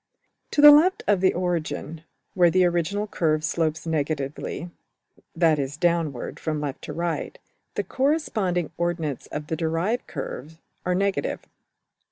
To the left of the origin, where the original curve slopes negatively (that is, downward from left to right) the corresponding ordinates of the derived curve are negative.